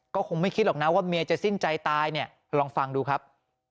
ก็คงไม่คิดหรอกนะว่าเมียจะสิ้นใจตายเนี่ยลองฟังดูครับ